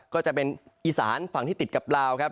ก็จะเป็นอีสานฝั่งที่ติดกับลาวครับ